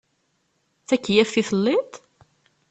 D takeyyaft i telliḍ?